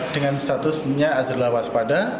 dengan statusnya adalah waspada